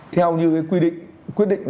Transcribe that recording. theo như quy định